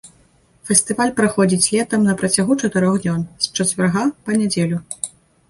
Фестываль праходзіць летам на працягу чатырох дзён з чацвярга па нядзелю.